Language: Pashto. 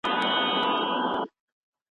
د ژوند حق تر هر څه مهم دی.